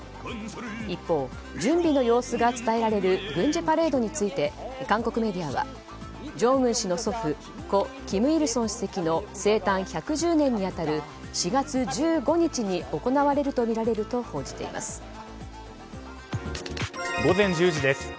一方、準備の様子が伝えられる軍事パレードについて韓国メディアは正恩氏の祖父、故・金日成主席の生誕１１０年に当たる４月１５日に行われるとみられると報じています。